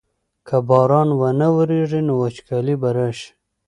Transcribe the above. که باران ونه ورېږي نو وچکالي به راشي.